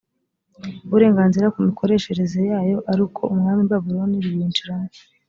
uburenganzira ku mikoreshereze yayo arikoumwami w i babuloni biwinjiramo